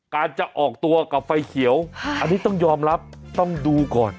การจะออกตัวกับไฟเขียวอันนี้ต้องยอมรับต้องดูก่อน